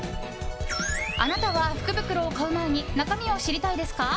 あなたは福袋を買う前に中身を知りたいですか？